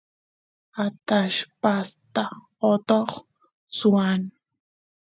atallpasta atoq swan